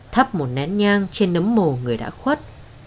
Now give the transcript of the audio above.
thắp một nén nhang trên nấm mồ người đã khuất